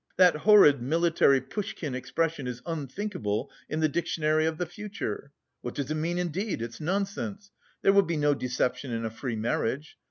That horrid, military, Pushkin expression is unthinkable in the dictionary of the future. What does it mean indeed? It's nonsense, there will be no deception in a free marriage!